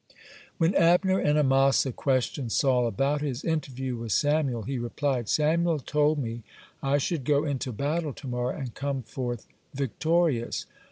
When Abner and Amasa questioned Saul about his interview with Samuel, he replied: "Samuel told me I should go into battle to morrow, and come forth victorious.